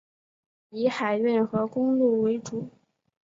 以海运和公路为主。